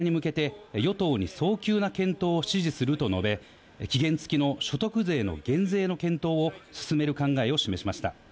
どう還元するかですが、具体化に向けて、与党に早急な検討を指示すると述べ、期限付きの所得税の減税の検討を進める考えをしました。